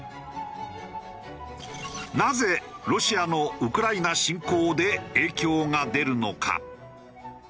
なぜロシアのウクライナ侵攻で影響が出るのか？